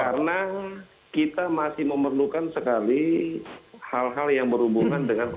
karena kita masih memerlukan sekali hal hal yang berhubungan dengan